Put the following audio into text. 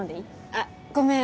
あごめん。